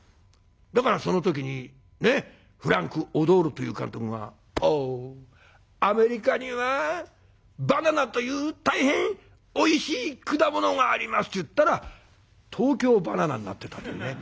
だからその時にフランク・オドールという監督が「オウアメリカにはバナナという大変おいしい果物があります」と言ったら「東京バナナ」になってたというね。